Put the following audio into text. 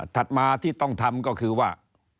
มาที่ต้องทำก็คือว่า